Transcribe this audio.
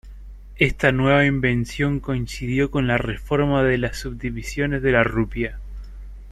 Esta nueva invención coincidió con la reforma de las subdivisiones de la rupia.